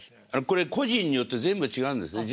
これ個人によって全部違うんですね。